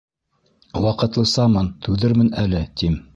Ваҡытлысамын, түҙермен әле, тим.